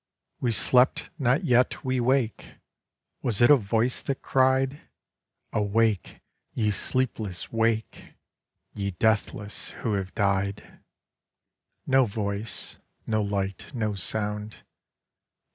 We slept not yet we wake! Was it a voice that cried, 'Awake, ye sleepless; wake, Ye deathless who have died'? No voice. No light, no sound.